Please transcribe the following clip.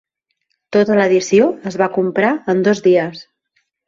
Tota l'edició es va comprar en dos dies.